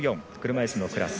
車いすのクラス。